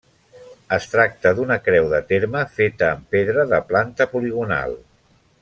Es tracta d'una creu de terme feta amb pedra, de planta poligonal.